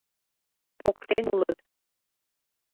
— Поктен улыт.